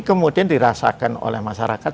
kemudian dirasakan oleh masyarakat